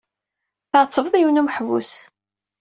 Tɛettbeḍ yiwen n umeḥbus.